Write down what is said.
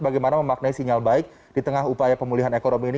bagaimana memaknai sinyal baik di tengah upaya pemulihan ekonomi ini